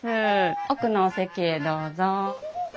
奥のお席へどうぞ。